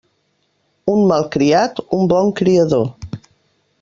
Un malcriat, un bon criador.